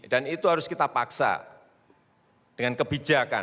dan itu harus kita paksa dengan kebijakan